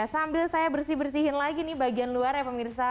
sambil saya bersih bersihin lagi nih bagian luar ya pemirsa